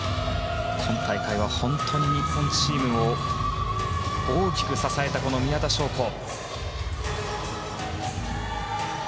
今大会は本当に日本チームを大きく支えた宮田笙子。